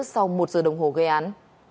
sau một giờ đồng hồ gây án